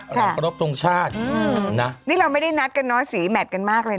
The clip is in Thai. หลังครบทรงชาติอืมนะนี่เราไม่ได้นัดกันเนอะสีแมทกันมากเลย